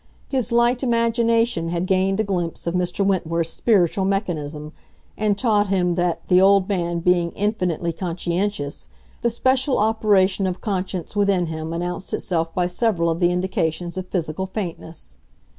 His light imagination had gained a glimpse of Mr. Wentworth's spiritual mechanism, and taught him that, the old man being infinitely conscientious, the special operation of conscience within him announced itself by several of the indications of physical faintness.